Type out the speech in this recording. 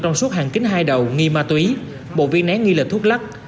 trong suốt hàng kính hai đầu nghi ma túy bộ viên nén nghi lệch thuốc lắc